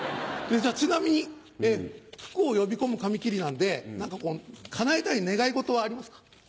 じゃあちなみに福を呼び込む紙切りなんで叶えたい願い事はありますか？